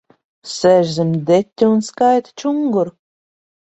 Sēž zem deķa un skaita čunguru.